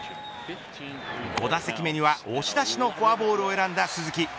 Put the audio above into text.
５打席目には、押し出しのフォアボールを選んだ鈴木。